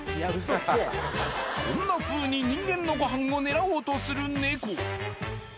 こんなふうに人間のごはんを狙おうとするネコ